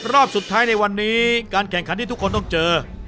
รอบสุดท้ายในวันนี้การแข่งขันที่ทุกคนต้องเจอ